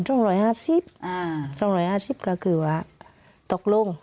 รู้สึ้น